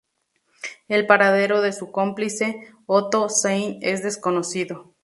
El paradero de su cómplice Otto Sein es desconocido.